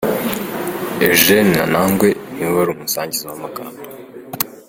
Eugene Anangwe ni we wari umusangiza w'amagambo .